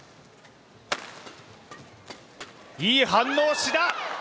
いい反応、志田！